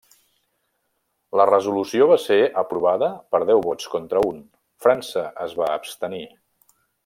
La resolució va ser aprovada per deu vots contra un; França es va abstenir.